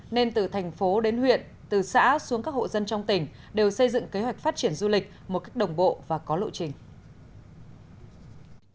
nên từ thành phố đến huyện từ xã xuống các hộ dân trong tỉnh đều xây dựng kế hoạch phát triển du lịch một cách đồng bộ và có lộ trình